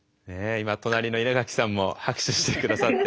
今隣の稲垣さんも拍手して下さって。